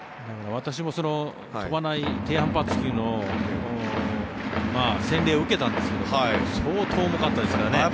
私も飛ばない低反発球の洗礼を受けたんですけど相当重かったですからね。